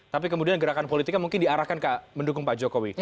tapi kemudian gerakan politiknya mungkin diarahkan ke mendukung pak jokowi